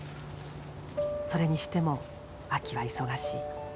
それにしても秋は忙しい。